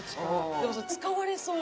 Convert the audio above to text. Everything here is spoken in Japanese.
でも使われそう。